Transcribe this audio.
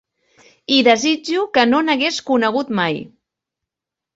I desitjo que no n'hagués conegut mai.